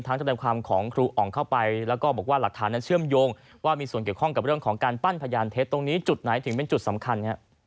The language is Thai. ทนายความของครูอ๋องเข้าไปแล้วก็บอกว่าหลักฐานนั้นเชื่อมโยงว่ามีส่วนเกี่ยวข้องกับเรื่องของการปั้นพยานเท็จตรงนี้จุดไหนถึงเป็นจุดสำคัญ